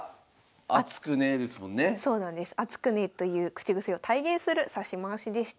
「厚くね」という口癖を体現する指し回しでした。